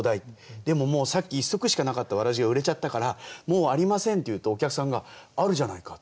でももうさっき１足しかなかったわらじが売れちゃったから「もうありません」って言うとお客さんが「あるじゃないか」。